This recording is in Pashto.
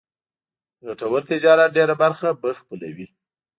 د ګټور تجارت ډېره برخه به خپلوي.